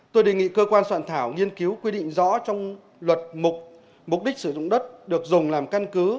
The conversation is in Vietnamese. tôi đề nghị cơ quan soạn thảo nghiên cứu quy định rõ trong luật mục đích sử dụng đất được dùng làm căn cứ